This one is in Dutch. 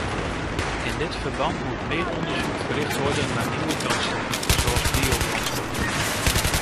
In dit verband moet meer onderzoek verricht worden naar nieuwe brandstoffen, zoals biobrandstoffen.